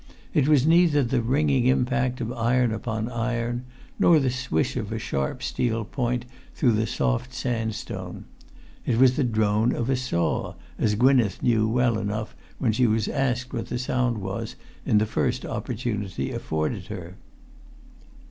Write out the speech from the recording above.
It was neither the ringing impact of iron upon iron, nor the swish of a sharp steel point through the soft sandstone. It was the drone of a saw, as Gwynneth knew well enough when she asked what the sound was in the first opportunity afforded her.